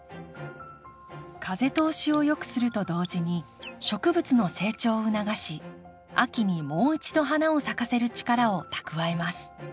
風通しをよくすると同時に植物の成長を促し秋にもう一度花を咲かせる力を蓄えます。